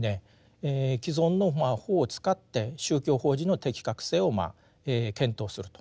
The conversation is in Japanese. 既存の法を使って宗教法人の適格性を検討すると。